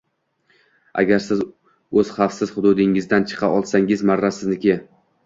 Agar siz o’z xavfsiz hududingizdan chiqa olsangiz marra sizniki